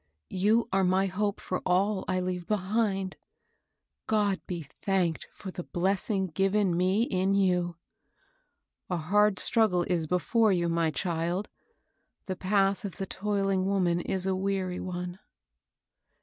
You are my hope for all I leave behind. God be thanked for the blessing given me in you. A hard struggle is before you, my child; the path of the toiling woman is a weary one."